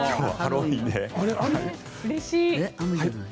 うれしい。